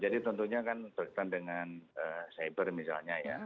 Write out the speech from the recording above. jadi tentunya kan berkaitan dengan siber misalnya ya